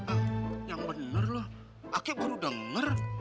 ah yang bener loh aki gua udah denger